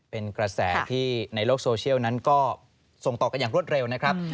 เป็นกระแสที่ในโลกโซเชียลนั้นก็ส่งต่อกันอย่างรวดเร็วนะครับ